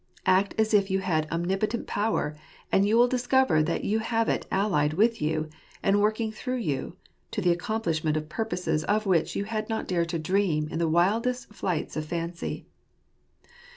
Act as if you had omnipotent power; and you will discover that you have it allied with you, and working through you, to the accomplishment of purposes of which you had not dared to dream in the wildest flights of fancy.